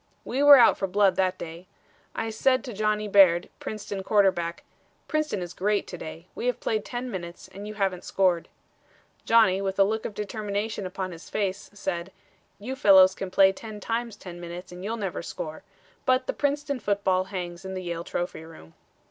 We were out for blood that day. I said to Johnny Baird, Princeton quarterback: 'Princeton is great to day. We have played ten minutes and you haven't scored.' Johnny, with a look of determination upon his face, said, 'You fellows can play ten times ten minutes and you'll never score,' but the Princeton football hangs in the Yale trophy room.